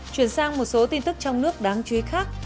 chuyển sang một số tin tức trong nước đáng chú ý khác